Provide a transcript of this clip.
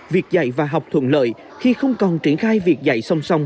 việc dạy và học thuận lợi khi không còn triển khai việc dạy song song